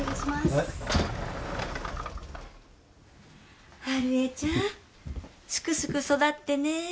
はい春恵ちゃんすくすく育ってね